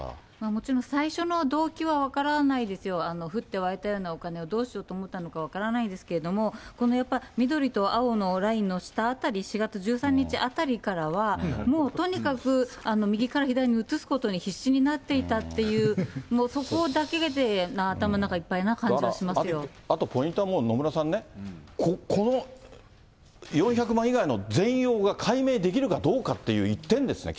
もちろん最初の動機は分からないですよ、降って湧いたようなお金を、どうしようと思ったのか分からないんですけれども、やっぱり緑と青のラインの下あたり、４月１３日あたりからは、もう、とにかく右から左に移すことに必死になっていたっていう、そこだけで、あとポイントはもう、野村さんね、この４００万以外の全容が解明できるかどうかっていう一点ですね。